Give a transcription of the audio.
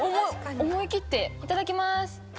思い切っていただきます。